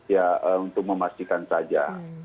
ya untuk memastikan saja